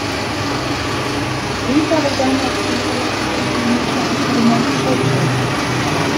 Dieser war damals Informationsminister im Kabinett Churchill.